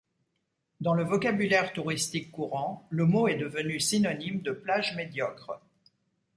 Dans le vocabulaire touristique courant, le mot est devenu synonyme de plage médiocre.